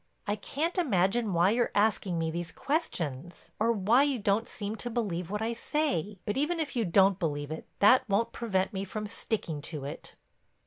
I can't imagine why you're asking me these questions or why you don't seem to believe what I say. But even if you don't believe it, that won't prevent me from sticking to it."